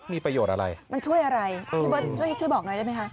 มีประโยชน์อะไรมันช่วยอะไรพี่เบิร์ตช่วยบอกหน่อยได้ไหมคะ